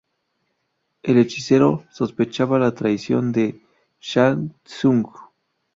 El hechicero sospechaba la traición de Shang Tsung.